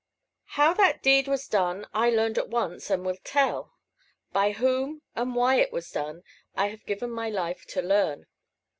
How that deed was done, I learned at once, and will tell. By whom and why it was done, I have given my life to learn.